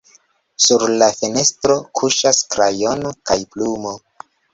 Sur la fenestro kuŝas krajono kaj plumo.